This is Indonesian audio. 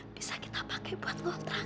bisa kita pakai buat ngontrak